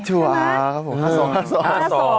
๕๒ต้องมาแล้วอ่ะ